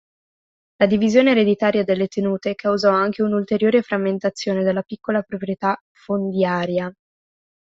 La divisione ereditaria delle tenute causò anche un'ulteriore frammentazione della piccola proprietà fondiaria.